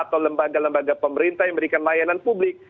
atau lembaga lembaga pemerintah yang memberikan layanan publik